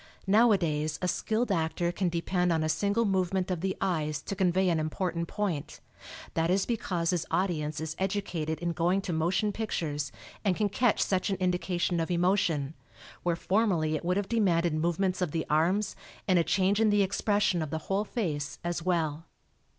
Nowadays a skilled actor can depend on a single movement of the eyes to convey an important point; that is because his audience is educated in going to motion pictures, and can catch such an indication of emotion, where formerly it would have demanded movements of the arms and a change in the expression of the whole face as well.